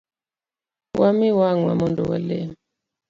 Wa mi wangwa mondo wa lem.